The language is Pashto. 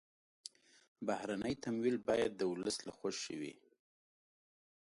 بهرني تمویل باید د ولس له خوښې وي.